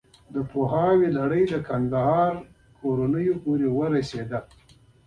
د پوهاوي لړۍ د کندهار کورنیو پورې ورسېږي.